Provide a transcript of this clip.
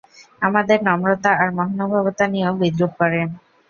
আমাদের নম্রতা আর মহানুভবতা নিয়েও বিদ্রূপ করে!